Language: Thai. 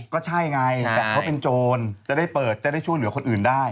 ก็ใช่ไงแต่เขาเป็นโจรจะได้เปิดจะได้ช่วยเหลือคนอื่นได้